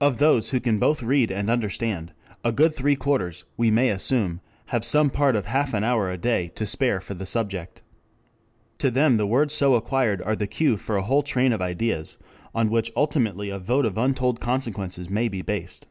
Of those who can both read and understand, a good three quarters we may assume have some part of half an hour a day to spare for the subject. To them the words so acquired are the cue for a whole train of ideas on which ultimately a vote of untold consequences may be based.